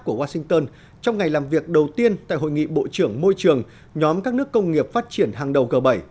của washington trong ngày làm việc đầu tiên tại hội nghị bộ trưởng môi trường nhóm các nước công nghiệp phát triển hàng đầu g bảy